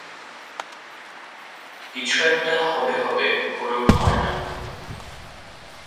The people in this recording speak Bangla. কিছু একটা হবে হবে করেও হয়না।